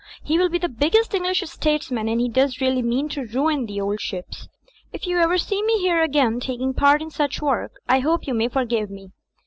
He will be the biggest Eng^lish statesman, and he does really mean to ruin — ^the old ships. If ever you see me here again taking part in such w^ork, I hope you may forgive me.